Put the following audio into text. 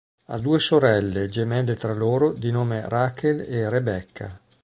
Ha due sorelle, gemelle tra loro, di nome Rachel e Rebecca.